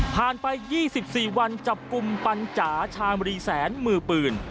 ผ่านไป๒๔วันจับกุมปัญจาชามรีแสนมือเปลือน